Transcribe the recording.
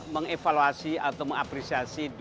mengevaluasi atau mengapresiasi